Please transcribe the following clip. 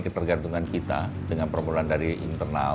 ketergantungan kita dengan permohonan dari internal